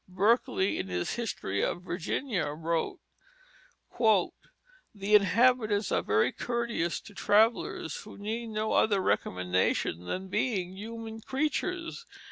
Berkeley, in his History of Virginia, wrote: "The inhabitants are very courteous to travellers, who need no other recommendation than being human creatures.